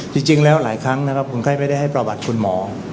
จริงแล้วหลายครั้งนะครับคนไข้ไม่ได้ให้ประวัติคุณหมอ